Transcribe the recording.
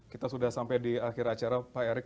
kita sudah sampai di akhir acara pak erick